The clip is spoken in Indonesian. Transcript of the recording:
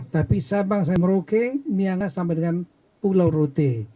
tapi sabang sampai merauke miangas sampai dengan pulau rote